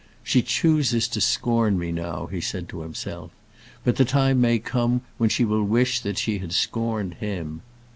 "She chooses to scorn me now," he said to himself; "but the time may come when she will wish that she had scorned him."